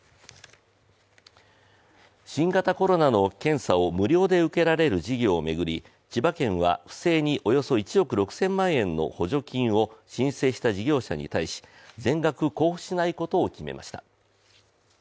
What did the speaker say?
新型コロナの検査を無料で受けられる事業を巡り、千葉県は不正におよそ１億６０００万円の補助金を申請した事業者に対し、全額、交付しないことを決めました